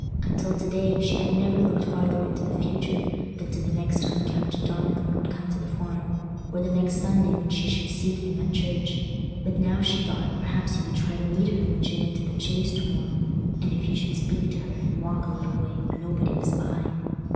Until to day, she had never looked farther into the future than to the next time Captain Donnithorne would come to the Farm, or the next Sunday when she should see him at church; but now she thought, perhaps he would try to meet her when she went to the Chase to morrow—and if he should speak to her, and walk a little way, when nobody was by!